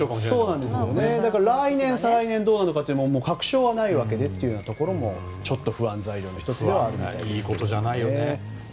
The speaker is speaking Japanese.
来年、再来年どうなるかは確証はないわけでというところもちょっと不安材料の１つでもあります。